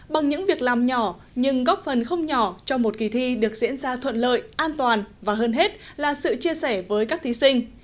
bằng những việc làm nhỏ nhưng góp phần không nhỏ cho một kỳ thi được diễn ra thuận lợi an toàn và hơn hết là sự chia sẻ với các thí sinh